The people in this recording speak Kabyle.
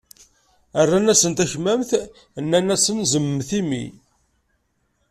Rran-asen takmamt, nnan-asen zemmet imi.